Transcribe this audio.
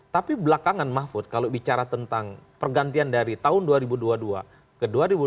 tapi belakangan mahfud kalau bicara tentang pergantian dari tahun dua ribu dua puluh dua ke dua ribu dua puluh